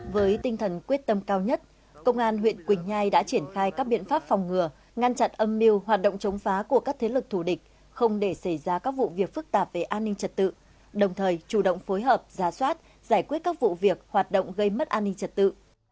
với tinh thần quyết tâm cao nhất công an huyện quỳnh nhai đã triển khai các biện pháp phòng ngừa ngăn chặn âm mưu hoạt động chống phá của các thế lực thủ địch không để xảy ra các vụ việc phức tạp về an ninh trật tự đồng thời chủ động phối hợp giả soát giải quyết các vụ việc hoạt động gây mất an ninh trật tự